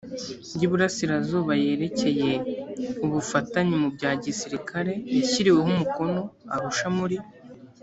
y iburasirazuba yerekeye ubufatanye mu bya gisirikare yashyiriweho umukono arusha muri